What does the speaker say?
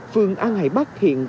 phường an hải bắc hiện có gần